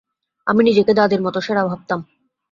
আমি নিজেকে দাদীর মতো সেরা ভাবতাম।